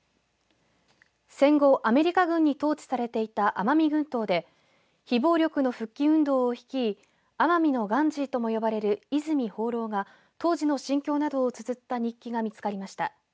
戦後、アメリカ軍に統治されていた奄美群島で非暴力の復帰運動を率い奄美のガンジーとも呼ばれる泉芳朗が当時の心境などをつづった日記が見つかりました。